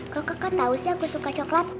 kalo kakak tau sih aku suka coklat